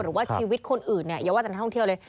หรือว่าชีวิตคนอื่นอย่าว่าจากท่องเที่ยวเลย